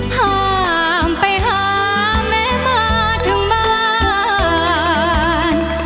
ห้ามไปหาแม่มาถึงบ้าน